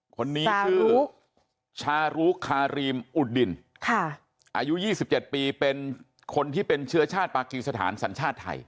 คนนี้คือชารุชารุคารีมอุดินค่ะอายุยี่สิบเจ็ดปีเป็นคนที่เป็นเชื้อชาติปกติสถานสัญชาติไทย